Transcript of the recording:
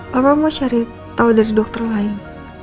bapak mau cari tahu dari dokter lain